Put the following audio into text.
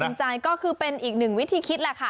ชื่นอกชื่นใจก็คือเป็นอีกหนึ่งวิธีคิดแหละค่ะ